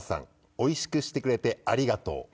美味しくしてくれてありがとう」